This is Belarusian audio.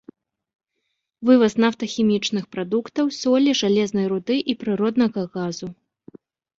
Вываз нафтахімічных прадуктаў, солі, жалезнай руды і прыроднага газу.